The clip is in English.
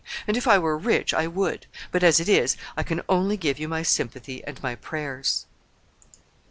And if I were rich I would; but as it is, I can only give you my sympathy and my prayers."